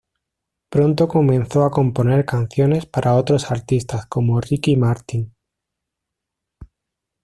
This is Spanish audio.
Pronto comenzó a componer canciones para otros artistas como Ricky Martin.